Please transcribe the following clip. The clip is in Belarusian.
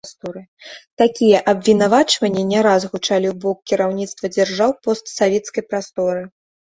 Такія абвінавачанні не раз гучалі у бок кіраўніцтва дзяржаў постсавецкай прасторы.